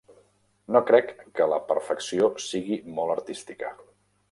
No crec que la perfecció sigui molt artística.